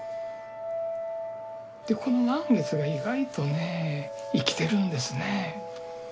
でこの満月が意外とね生きてるんですね。